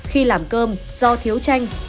khi làm cơm do thiếu chanh